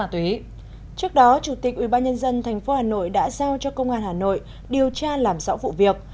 trước đó chủ tịch ubnd tp hà nội đã giao cho công an hà nội điều tra làm rõ vụ việc